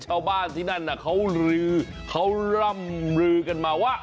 ชาวบ้านที่นั่นเขารือเขาร่ำลือกันมาว่า